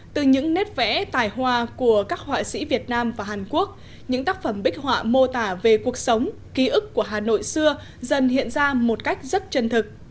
từ những nét vẽ tài hoa của các họa sĩ việt nam và hàn quốc những tác phẩm bích họa mô tả về cuộc sống ký ức của hà nội xưa dần hiện ra một cách rất chân thực